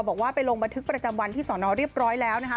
บอกว่าไปลงบันทึกประจำวันที่สอนอเรียบร้อยแล้วนะคะ